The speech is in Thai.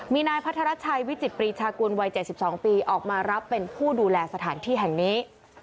มีนายพัทรชัยวิจิตปรีชากุลวัย๗๒ปีออกมารับเป็นผู้ดูแลสถานที่แห่งนี้